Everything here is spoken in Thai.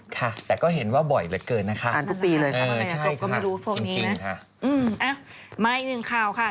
ค่ะแต่ก็เห็นว่าบ่อยเหลือเกินนะคะค่ะใช่ค่ะจริงค่ะเอามาอีกหนึ่งข่าวค่ะ